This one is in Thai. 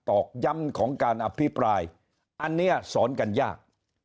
อกย้ำของการอภิปรายอันนี้สอนกันยาก